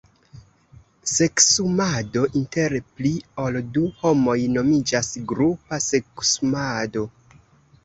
Seksumado inter pli ol du homoj nomiĝas grupa seksumado.